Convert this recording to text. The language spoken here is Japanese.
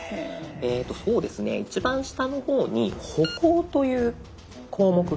えとそうですね一番下の方に「歩行」という項目がありますので。